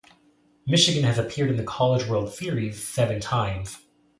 Michigan has appeared in the College World Series seven times.